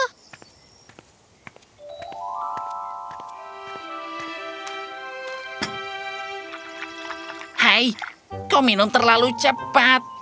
hai kau minum terlalu cepat